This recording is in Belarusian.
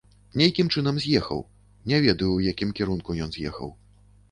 Нейкім чынам з'ехаў, не ведаю, у якім кірунку ён з'ехаў.